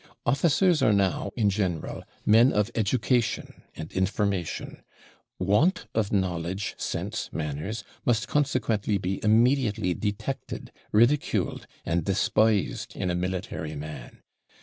Officers are now, in general, men of education and information; want of knowledge, sense, manners, must consequently be immediately detected, ridiculed, and despised in a military man.